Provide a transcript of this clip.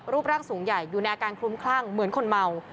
รูปร่างสูงใหญ่อยู่ในอาการคลุ้มคลั่งเหมือนคนเมา